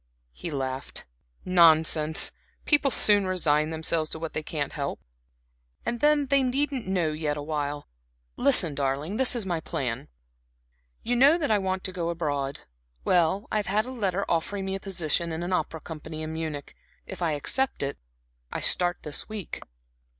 He laughed. "Nonsense! People soon resign themselves to what they can't help. And then they needn't know yet awhile. Listen, darling, this is my plan. You know that I want to go abroad well, I have had a letter offering me a position in an opera company in Munich. If I accept it I start this week."